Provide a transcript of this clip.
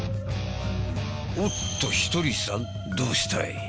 おっとひとりさんどうしたい？